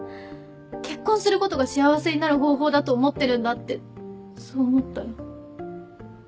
結婚することが幸せになる方法だと思ってるんだってそう思ったら。